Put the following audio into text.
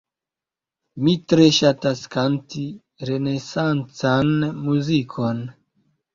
Mi tre ŝatas kanti renesancan muzikon.